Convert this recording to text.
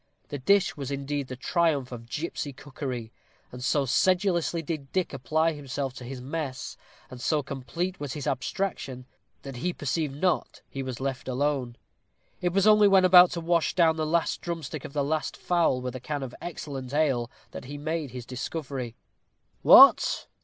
The dish was indeed the triumph of gipsy cookery; and so sedulously did Dick apply himself to his mess, and so complete was his abstraction, that he perceived not he was left alone. It was only when about to wash down the last drumstick of the last fowl with a can of excellent ale that he made this discovery. "What!